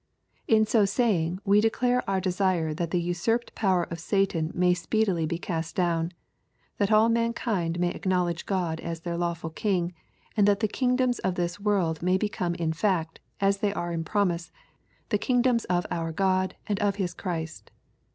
'' In so saying, we declare our desire that the usurped power of Satan may speed ily be cast down, — that all mankind may acknowledge Grod as their lawful King, and that the kingdoms of this world may become in fact, as they are in promise, the kingdoms of our God and of His Christ.